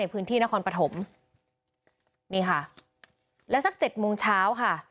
พื้นที่นครปฐมนี่ค่ะแล้วสัก๗โมงเช้าค่ะ